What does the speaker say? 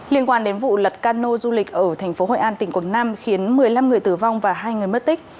liên quan đến vụ lật cano du lịch ở tp hcm tỉnh quảng nam khiến một mươi năm người tử vong và hai người mất tích